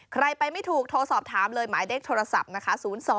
ใครไปไม่ถูกโทรสอบถามเลยหมายเลขโทรศัพท์นะคะ